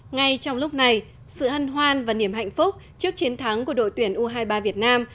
ngay trong lúc này sự hân hoan và niềm hạnh phúc trước chiến thắng của đội tuyển u hai mươi ba việt nam